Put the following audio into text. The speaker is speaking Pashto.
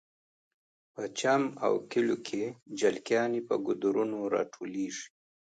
په چم او کلیو کې جلکیانې په ګودرونو راټولیږي